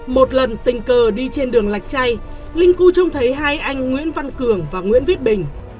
một lần tình cờ đi trên đường lạch chay linh cu trông thấy hai anh nguyễn văn cường và nguyễn viết bình